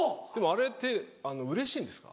あれってうれしいんですか？